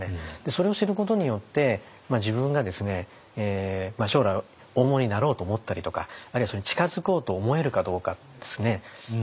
それを知ることによって自分がですね将来大物になろうと思ったりとかあるいはそれに近づこうと思えるかどうかですね。